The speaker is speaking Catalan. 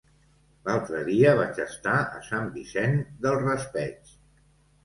L'altre dia vaig estar a Sant Vicent del Raspeig.